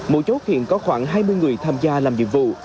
mỗi chốt hiện có khoảng hai mươi người tham gia làm nhiệm vụ